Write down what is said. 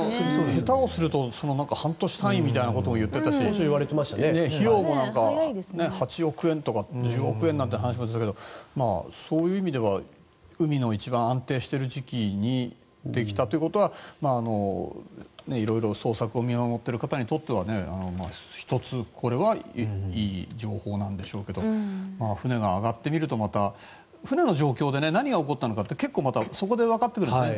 下手をすると半年単位とか言われていましたし費用も８億円とか１０億円なんて話も出てたけどそういう意味では海の一番安定している時期にできたということは色々、捜索を見守っている方にとっては１つ、これはいい情報なんでしょうけど船が揚がってみるとまた船の状況で何が起こったのかって結構またそこでわかってくるんですね。